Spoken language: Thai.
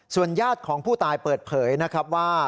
ญาติของผู้ตายเปิดเผยนะครับว่า